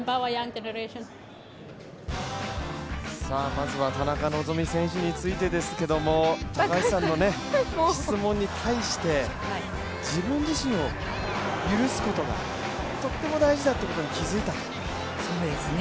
まずは田中希実選手についてですけども、高橋さんの質問に対して自分自身を許すことがとっても大事だということに気づいたと。